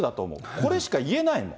これしか言えないもん。